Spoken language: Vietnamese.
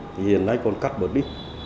thì hiện nay còn cắt bởi đi